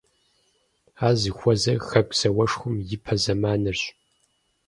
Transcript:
Ар зыхуэзэр Хэку зауэшхуэм ипэ зэманырщ.